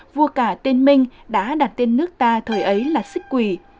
vua cả tên minh đã đặt tên nước ta thời ấy là xích quỳ